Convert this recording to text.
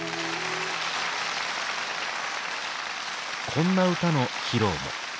こんな歌の披露も。